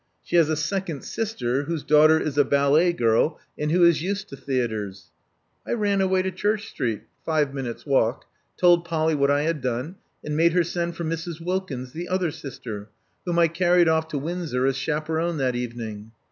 She has a second sister whose daughter is a ballet girl, and who is used to theatres. I ran away to Church Street — five minutes' walk; told Polly what I had done ; and made her send for Mrs. Wilkins, the other sister, whom I carried off to Windsor as chaperon that evening.